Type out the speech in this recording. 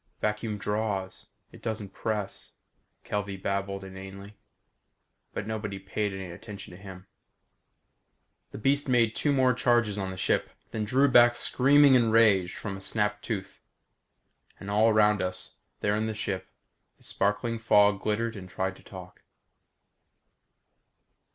"Vacuum draws. It doesn't press," Kelvey babbled inanely, but nobody paid any attention to him. The beast made two more charges on the ship, then drew back screaming in rage from a snapped tooth. And all around us, there in the ship, the sparkling fog glittered and tried to talk.